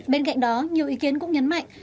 bên cạnh đó nhiều ý kiến cũng nhấn mạnh